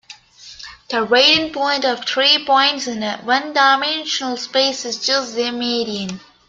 The Radon point of three points in a one-dimensional space is just their median.